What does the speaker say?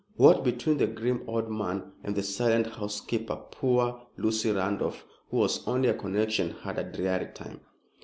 What between the grim old man and the silent housekeeper, poor Lucy Randolph, who was only a connection, had a dreary time.